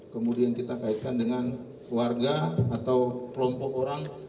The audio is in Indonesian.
kemudian kita kaitkan dengan keluarga atau kelompok orang